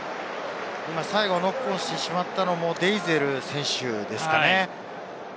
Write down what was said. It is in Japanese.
最後ノックオンしてしまったのも、デイゼル選手ですかね。